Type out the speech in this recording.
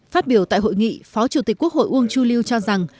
phát biểu tại hội nghị phó chủ tịch quốc hội uông chu lưu cho rằng